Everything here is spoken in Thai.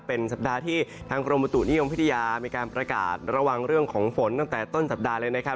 เป็นสัปดาห์ที่ทางกรมบุตุนิยมวิทยามีการประกาศระวังเรื่องของฝนตั้งแต่ต้นสัปดาห์เลยนะครับ